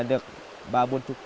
được ba mươi triệu